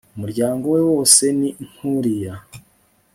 umuryango we wose ni nkuriya